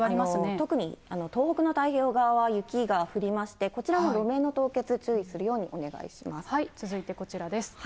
特に東北の太平洋側は雪が降りまして、こちらも路面の凍結、続いてこちらです。